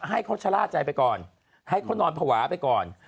ให้เขาชะล่าใจไปก่อนให้เขานอนภาวะไปก่อน